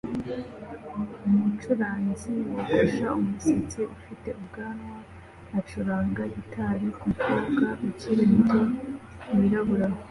Umucuranzi wogosha umusatsi ufite ubwanwa acuranga gitari kumukobwa ukiri muto wirabura